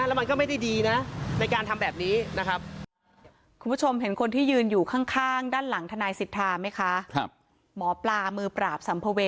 แล้วมันก็ไม่ได้ดีนะในการทำแบบนี้นะครับ